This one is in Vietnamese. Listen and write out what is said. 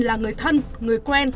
là người thân người quen